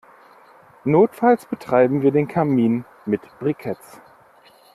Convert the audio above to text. Notfalls betreiben wir den Kamin mit Briketts.